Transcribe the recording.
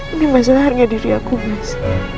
ini masalah harga diri aku mas